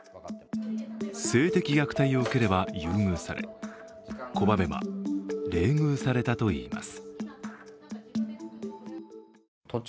性的虐待を受ければ優遇され、拒めば冷遇されたといいます。